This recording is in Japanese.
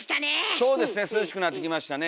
そうですね涼しくなってきましたね。